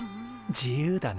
自由だね。